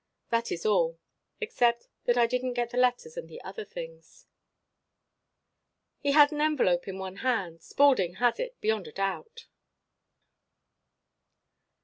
That is all except that I didn't get the letters and the other things." "He had an envelope in one hand. Spaulding has it beyond a doubt."